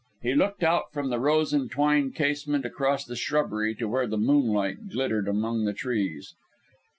He looked out from the rose entwined casement across the shrubbery, to where the moonlight glittered among the trees.